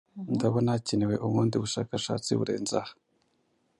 Ndabona hakenewe ubundi bushakashatsi burenze aha